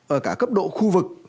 ở cả cấp độ khu vực